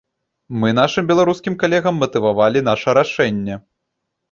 Мы нашым беларускім калегам матывавалі наша рашэнне.